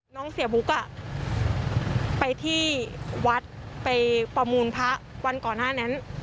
น้องเสียบุ๊กไปที่วัดไปประมูลพระวันก่อนหน้านั้น